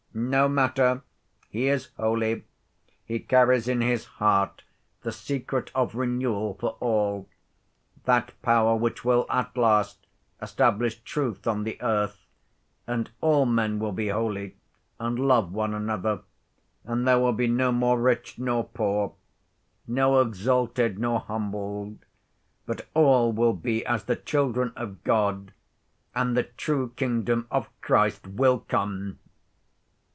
"No matter. He is holy. He carries in his heart the secret of renewal for all: that power which will, at last, establish truth on the earth, and all men will be holy and love one another, and there will be no more rich nor poor, no exalted nor humbled, but all will be as the children of God, and the true Kingdom of Christ will come."